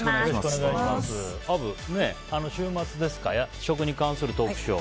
アブ、週末ですか食に関するトークショー。